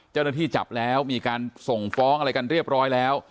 เจ้าหน้าที่จับแล้วมีการส่งฟ้องอะไรกันเรียบร้อยแล้ว